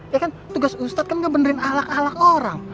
ya kan tugas ustad kan ngebenerin ahlak ahlak orang